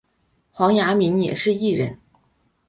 黄雅珉也是艺人。